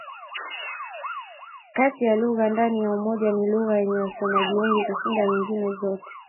Kati ya lugha ndani ya Umoja ni lugha yenye wasemaji wengi kushinda nyingine zote.